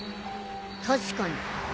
確かに。